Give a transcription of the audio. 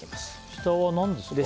下は何ですか？